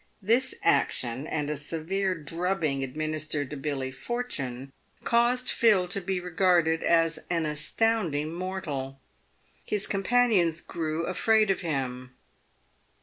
This action, and a severe drubbing administered to Billy Portune, caused Phil to be regarded as an astounding mortal. His companions grew afraid of him.